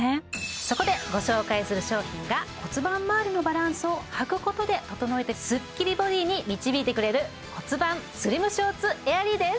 そこでご紹介する商品が骨盤まわりのバランスをはくことで整えてスッキリボディーに導いてくれる骨盤スリムショーツエアリーです